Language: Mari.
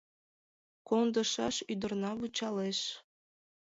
Кондышаш ӱдырна вучалеш.